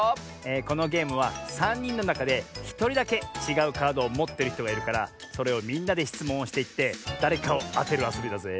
このゲームはさんにんのなかでひとりだけちがうカードをもってるひとがいるからそれをみんなでしつもんをしていってだれかをあてるあそびだぜ。